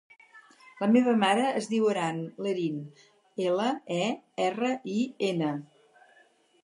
La meva mare es diu Aran Lerin: ela, e, erra, i, ena.